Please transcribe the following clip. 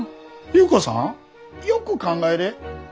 優子さんよく考えれ。